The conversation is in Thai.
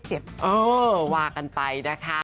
เออว่ากันไปนะคะ